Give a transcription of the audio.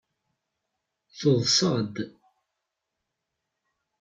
Teḍṣa-d.